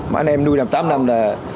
mà anh em nuôi làm tám năm là